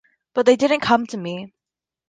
But they didn't come to me.